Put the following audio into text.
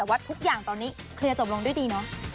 แต่ว่าทุกอย่างตอนนี้เคลียร์จบลงด้วยดีเนาะ